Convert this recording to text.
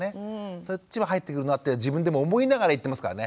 そっちも入ってくるようになって自分でも思いながら言ってますからね。